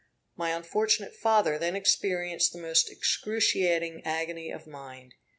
My unfortunate father then experienced the most excruciating agony of mind.